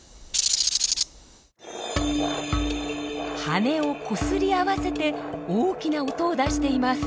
羽をこすり合わせて大きな音を出しています。